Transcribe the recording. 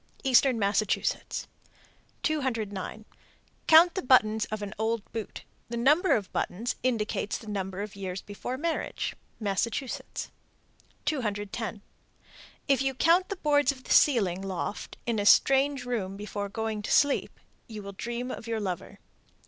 Eastern Massachusetts. 209. Count the buttons of an old boot. The number of buttons indicates the number of years before marriage. Massachusetts. 210. If you count the boards of the ceiling (loft) in a strange room before going to sleep, you will dream of your lover.